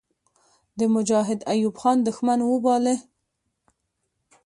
د مجاهد ایوب خان دښمن وباله.